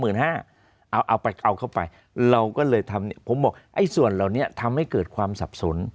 เอาปัดเอาเข้าไปเราก็เลยทำผมบอกส่วนเหล่านี้ทำให้เกิดความสับสน